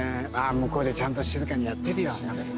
向こうでちゃんと静かにやってるよ。